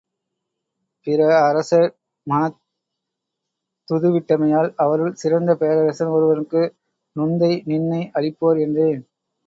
பிற அரசர் மணத் துது விட்டமையால் அவருள் சிறந்த பேரரசன் ஒருவனுக்கு நுந்தை நின்னை அளிப்பார் என்றேன்.